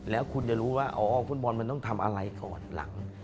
แล้วคุณจะรู้ว่าอ๋อฟุตบอลมันต้องทำอะไรก่อนหลัง